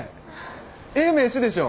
ええ名刺でしょ？